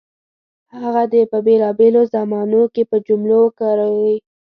هغه دې په بېلابېلو زمانو کې په جملو کې وکاروي.